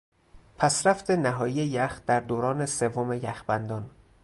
پسرفت نهایی یخ در دوران سوم یخبندان